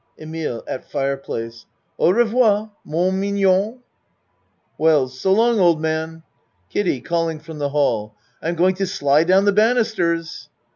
EMILE (At fireplace.) Au revoir, mon mig non. WELLS So long, old man. KIDDIE (Calling from the hall.) I'm going to slide down the banisters.